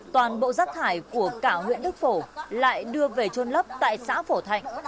toàn bộ rác thải của cả huyện đức phổ lại đưa về trôn lấp tại xã phổ thạnh